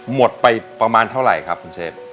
หมดไปประมาณเท่าไหร่ครับคุณเชฟ